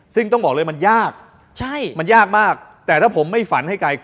ซึ่งต้องบอกเลยมันยากใช่มันยากมากแต่ถ้าผมไม่ฝันให้ไกล